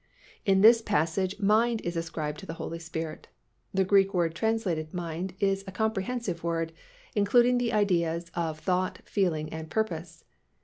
In this passage mind is ascribed to the Holy Spirit. The Greek word translated "mind" is a comprehensive word, including the ideas of thought, feeling and purpose.